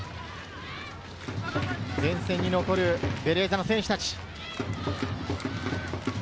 前線に残るベレーザの選手達。